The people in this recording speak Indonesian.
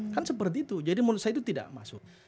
kan seperti itu jadi menurut saya itu tidak masuk